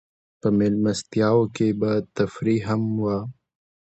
په مېلمستیاوو کې به تفریح هم وه.